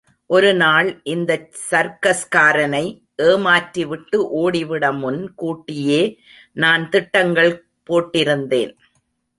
ஒரு நாள் இந்தச் சர்க்கஸ்காரனை ஏமாற்றிவிட்டு ஓடி விட முன் கூட்டியே நான் திட்டங்கள் போட்டிருந்தேன்.